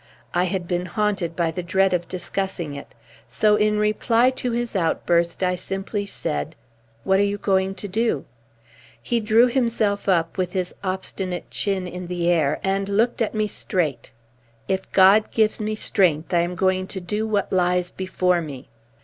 I had been haunted by the dread of discussing it. So in reply to his outburst I simply said: "What are you going to do?" He drew himself up, with his obstinate chin in the air, and looked at me straight. "If God gives me strength, I am going to do what lies before me."